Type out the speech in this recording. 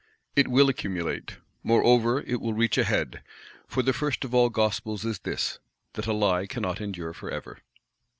It will accumulate: moreover, it will reach a head; for the first of all Gospels is this, that a Lie cannot endure for ever.